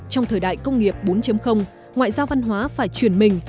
trong thời đại công nghiệp bốn ngoại giao văn hóa phải chuyển mình